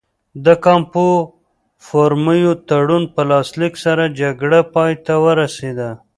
د کامپو فورمیو تړون په لاسلیک سره جګړه پای ته ورسېده.